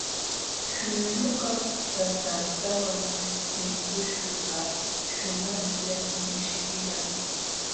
Śhuyrukaq tantantawan mikuykuśhqa shumaqlla mishkillam.